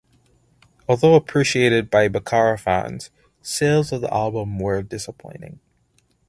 Although appreciated by Baccara fans, sales of the album were disappointing.